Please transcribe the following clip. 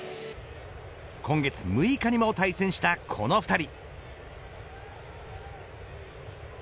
今月６日にも対戦したこの２人。